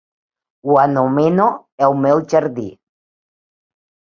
Ho anomeno el meu jardí.